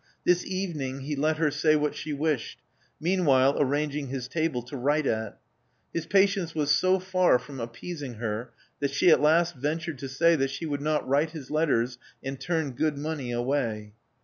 This evening he let her say what she wished, meanwhile arranging his table to write at. His patience was so far from appeasing her that she at last ventured to say that she would not write his letters and turn good money away.